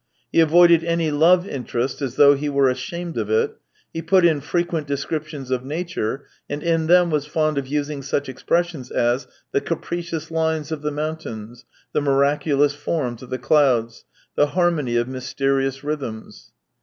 He avoided any love interest as though he were ashamed of it; he put in frequent descriptions of nature, and in them was fond of using such expressions as, "The capricious lines of the mountains, the miraculous forms of the clouds, the harmony of mysterious rhythms.